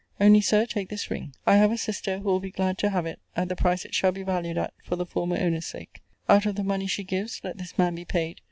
Only, Sir, take this ring. I have a sister, who will be glad to have it, at the price it shall be valued at, for the former owner's sake! Out of the money she gives, let this man be paid!